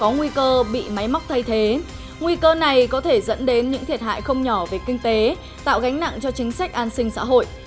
nguy cơ này có thể dẫn đến những thiệt hại không nhỏ về kinh tế tạo gánh nặng cho chính sách an sinh xã hội